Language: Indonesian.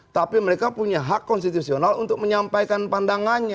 tapi mereka punya hak konstitusional untuk menyampaikan pandangannya